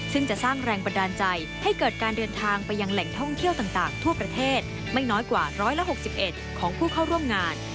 ซึ่งจะสร้างแรงบันดาลใจให้เกิดการเดินทางไปยังแหล่งท่องเที่ยวต่างทั่วประเทศไม่น้อยกว่า๑๖๑ของผู้เข้าร่วมงาน